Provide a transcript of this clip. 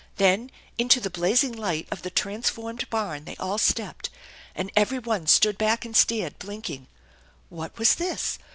Then into the blazing light of the transformed barn they all stepped, and every one stood back and stared, blinking. Wliat was this?